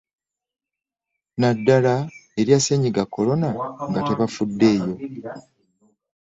Naddala erya Ssennyiga Corona nga tebafuddeyo